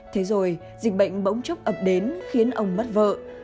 thế rồi dịch bệnh bỗng chốc ập đến khiến ông mất vợ